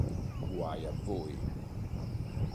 Guai a voi!